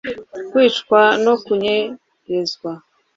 Kwicwa no kunyerezwa